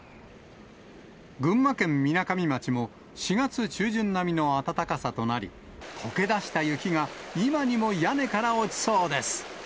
群馬県みなかみ町も４月中旬並みの暖かさとなり、とけ出した雪が、今にも屋根から落ちそうです。